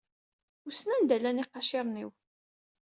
Wissen anda llan iqaciṛen-iw.